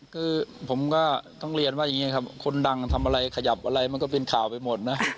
คือผมก็ต้องเรียนว่าอย่างนี้ครับคนดังทำอะไรขยับอะไรมันก็เป็นข่าวไปหมดนะ